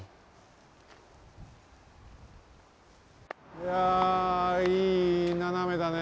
いやいいななめだね。